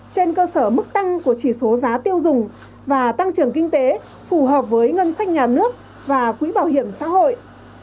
trên cơ sở mức tăng của chỉ số giá tiêu dùng và tăng trưởng kinh tế phù hợp với ngân sách nhà nước và quỹ bảo hiểm xã hội